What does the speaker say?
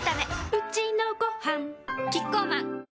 うちのごはんキッコーマンプシュ！